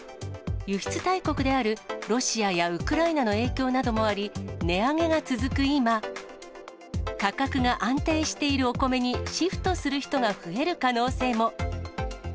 輸出大国であるロシアやウクライナの影響などもあり、値上げが続く今、価格が安定しているお米にシフトする人が増える可能性も。